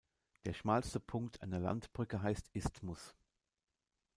Der schmalste Punkt einer Landbrücke heißt Isthmus.